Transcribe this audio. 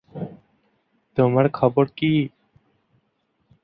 তোমার খবর কি?